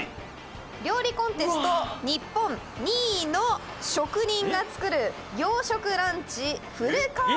「料理コンテスト日本２位の職人が作る洋食ランチフルコース」